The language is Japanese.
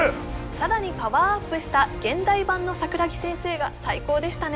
さらにパワーアップした現代版の桜木先生が最高でしたね